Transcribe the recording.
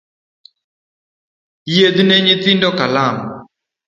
Yiedhne nyathino kalam